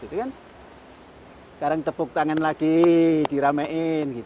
sekarang tepuk tangan lagi diramain